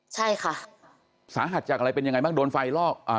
ใช่ค่ะสาหัสจากอะไรเป็นยังไงบ้างโดนไฟลอกอ่า